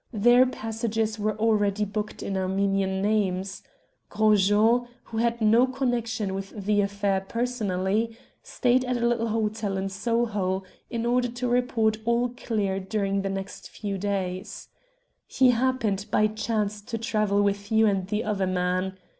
Their passages were already booked in Armenian names. Gros Jean, who had no connexion with the affair personally, stayed at a little hotel in Soho in order to report all clear during the next few days. He happened by chance to travel with you and the other man.